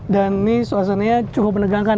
dan ini suasananya cukup menegangkan